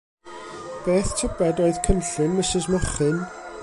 Beth tybed oedd cynllun Mrs Mochyn?